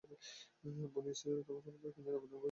বনী ইসরাঈলরা তখন সমুদ্রের কিনারায় অবতরণ করেছিল।